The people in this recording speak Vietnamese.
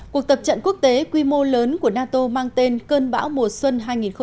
cuộc tập trận quốc tế quy mô lớn của nato mang tên cơn bão mùa xuân hai nghìn một mươi chín